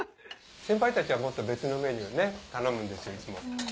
先輩たちはもっと別のメニュー頼むんですよいつも。